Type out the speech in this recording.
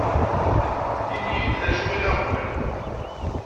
Ini-yi-d d acu i d aɣbel.